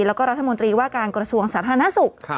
แล้วก็รัฐมนตรีว่าการกระทรวงสาธารณสุข